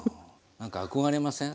何か憧れません？